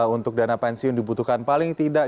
untuk dana pensiun dibutuhkan paling tidak